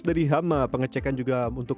dari hama pengecekan juga untuk